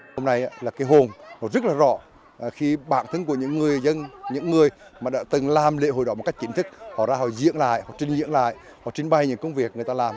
hôm nay là cái hồn nó rất là rõ khi bản thân của những người dân những người mà đã từng làm lễ hội đó một cách chính thức họ ra họ diễn lại họ trình diễn lại họ trình bày những công việc người ta làm